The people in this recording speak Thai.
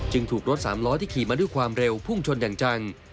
ถูกรถสามล้อที่ขี่มาด้วยความเร็วพุ่งชนอย่างจัง